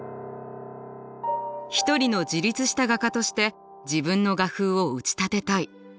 一人の自立した画家として自分の画風を打ち立てたい。